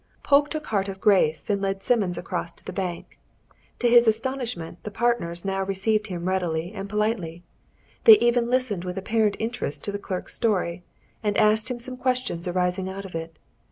Polke took heart of grace and led Simmons across to the bank. To his astonishment, the partners now received him readily and politely; they even listened with apparent interest to the clerk's story, and asked him some questions arising out of it.